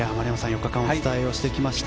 ４日間お伝えしてきました。